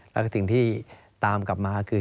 แล้วก็สิ่งที่ตามกลับมาคือ